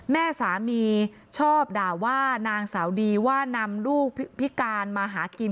แม่สามีชอบด่าว่านางสาวดีว่านำลูกพิการมาหากิน